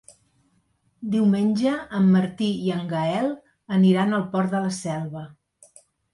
Diumenge en Martí i en Gaël aniran al Port de la Selva.